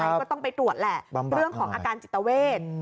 ก็ต้องไปตรวจแหละเรื่องของอาการจิตเวท